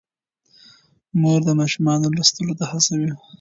مور د ماشومانو لوستلو ته هڅوي.